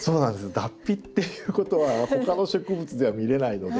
脱皮っていうことは他の植物では見れないので。